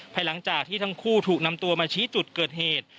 หลังจากที่ทั้งคู่ถูกนำตัวมาชี้จุดเกิดเหตุ